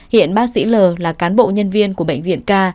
hiện bác sĩ l là cán bộ nhân viên của bệnh viện ca